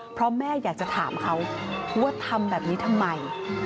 เพราะแม่อยากจะถามเขาว่าทำแบบนี้ทำไม